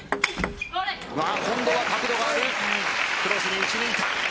今度は角度があるクロスに打ち抜いた。